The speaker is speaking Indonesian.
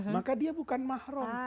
maka dia bukan mahrum